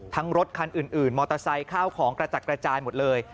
รถคันอื่นมอเตอร์ไซค์ข้าวของกระจัดกระจายหมดเลย